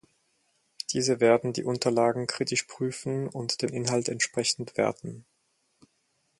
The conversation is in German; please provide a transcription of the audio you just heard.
Diese werden die Unterlagen kritisch prüfen und den Inhalt entsprechend werten.